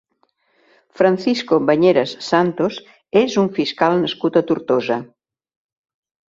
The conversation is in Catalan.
Francisco Bañeres Santos és un fiscal nascut a Tortosa.